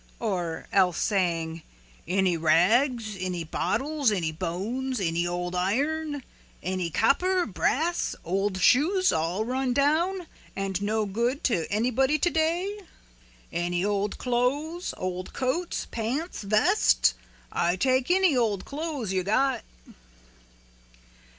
or else saying "Any rags? any bottles? any bones? any old iron? any copper, brass, old shoes all run down and no good to anybody to day? any old clothes, old coats, pants, vests? I take any old clothes you got."